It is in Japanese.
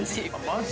◆マジ？